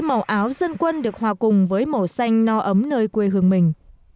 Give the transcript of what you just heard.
màu áo dân quân được hòa cùng với màu xanh no ấm nơi quê hương mình